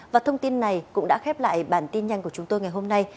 và thông tin này cũng đã khép lại bản tin nhanh của chúng tôi ngày hôm nay